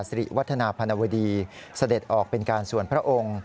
สิริวัฒนาพนวดีเสด็จออกเป็นการส่วนพระองค์